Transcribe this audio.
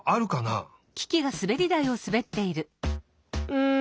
うん。